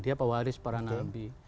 dia pewaris para nabi